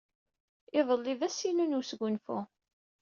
Iḍelli d ass-inu n wesgunfu.